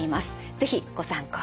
是非ご参考に。